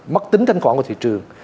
mất tính thanh khoản của thị trường